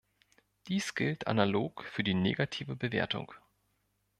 Dies gilt analog für die negative Bewertung.